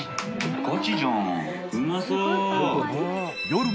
ガチじゃん。